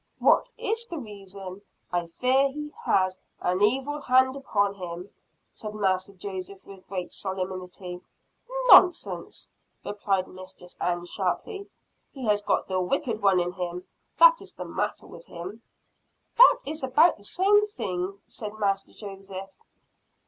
"What is the reason?" "I fear he has an 'evil hand' upon him," said Master Joseph with great solemnity. "Nonsense," replied Mistress Ann sharply. "He has got the wicked One in him; that is the matter with him." "That is about the same thing," said Master Joseph.